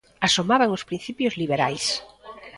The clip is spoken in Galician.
Asomaban os principios liberais.